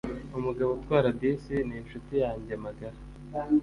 umugabo utwara bisi ninshuti yanjye magara.